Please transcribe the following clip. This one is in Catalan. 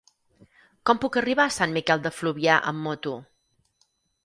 Com puc arribar a Sant Miquel de Fluvià amb moto?